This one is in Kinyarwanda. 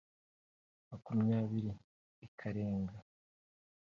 makumyabiri ikarenga